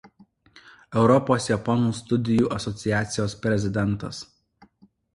Europos japonų studijų asociacijos prezidentas.